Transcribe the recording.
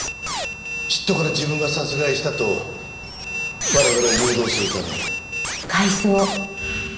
嫉妬から自分が殺害したと我々を誘導するために。